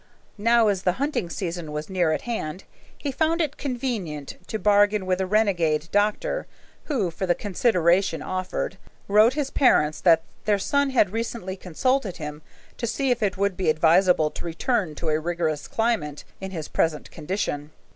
Now, as the hunting season was near at hand, he found it convenient to bargain with a renegade doctor, who, for the consideration offered, wrote his parents that their son had recently consulted him to see if it would be advisable to return to a rigorous climate in his present condition.